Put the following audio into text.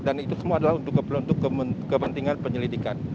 dan itu semua adalah untuk kepentingan penyelidikan